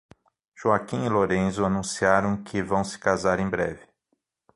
Joaquim e Lorenzo anunciaram que vão se casar em breve